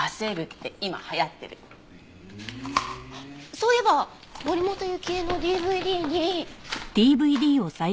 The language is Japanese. そういえば森本雪絵のＤＶＤに。